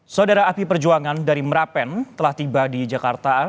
saudara api perjuangan dari merapen telah tiba di jakarta